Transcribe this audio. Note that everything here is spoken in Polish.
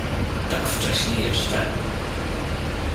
— Tak wcześnie jeszcze?